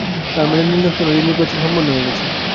তার মানে নীল নকশা অনুযায়ী নির্বাচন হয়ে গেছে, সম্পন্ন হয়ে গেছে।